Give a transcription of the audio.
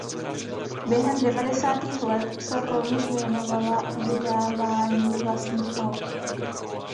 Během devadesátých let se rovněž věnovala vydávání vlastních alb.